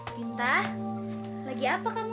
tinta lagi apa kamu